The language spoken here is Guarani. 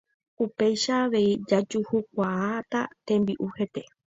Upéicha avei jajuhukuaáta tembi'u hete